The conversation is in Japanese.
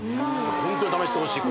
ホントに試してほしい